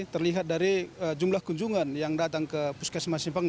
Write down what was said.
terlihat dari jumlah kunjungan yang datang ke puskesmas simpang